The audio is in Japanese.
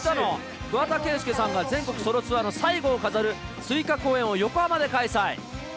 桑田佳祐さんが全国ソロツアーの最後を飾る追加公演を横浜で開催。